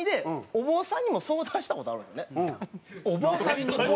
お坊さんに。